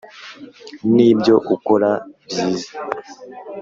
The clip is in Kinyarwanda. nibyo ukora byiza